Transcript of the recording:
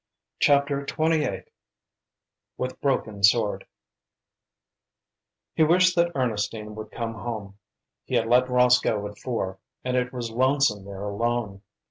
CHAPTER XXVIII WITH BROKEN SWORD He wished that Ernestine would come home. He had let Ross go at four, and it was lonesome there alone.